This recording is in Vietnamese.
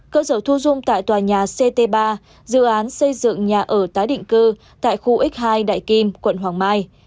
cơ sở thu dung tại tòa nhà ct ba dự án xây dựng nhà ở tái định cư tại khu x hai đại kim quận hoàng mai